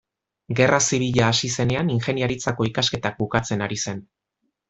Gerra zibila hasi zenean ingeniaritzako ikasketak bukatzen ari zen.